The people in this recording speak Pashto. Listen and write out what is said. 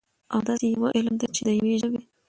او داسي يوه علم ده، چې د يوي ژبې